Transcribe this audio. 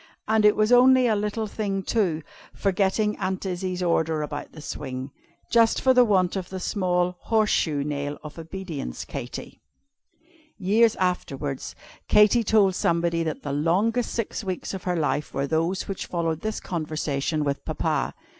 "And it was only a little thing, too, forgetting Aunt Izzie's order about the swing. Just for the want of the small 'horseshoe nail' of Obedience, Katy." Years afterwards, Katy told somebody that the longest six weeks of her life were those which followed this conversation with Papa.